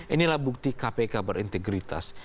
inilah bukti kpk berintegritas